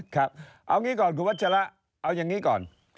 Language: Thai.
ครับเอางี้ก่อนคุณวัชระเอาอย่างนี้ก่อน